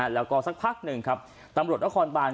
แล้วก็สักพักนึงตำรวจอบาล